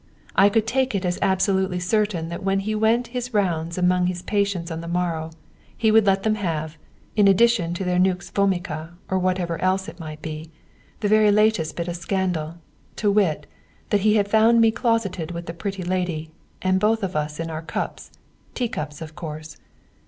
I could take it as absolutely certain that when he went his rounds among his patients on the morrow, he would let them have, in addition to their nux vomica, or whatever else it might be, the very latest bit of scandal to wit, that he had found me closeted with the pretty lady, and both of us in our cups tea cups of course.